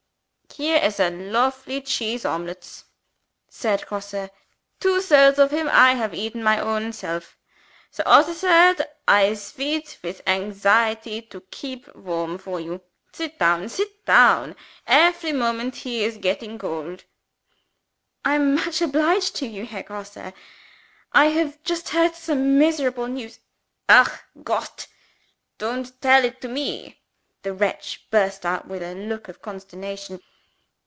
"Here is a lofely cheese omelets," said Grosse. "Two thirds of him I have eaten my own self. The odder third I sweat with anxiety to keep warm for you. Sit down! sit down! Every moment he is getting cold." "I am much obliged to you, Herr Grosse. I have just heard some miserable news " "Ach, Gott! don't tell it to me!" the wretch burst out with a look of consternation.